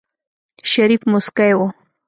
شريف موسکی و.